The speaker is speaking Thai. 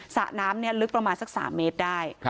สระน้ำลึกประมาณสัก๓เมตรได้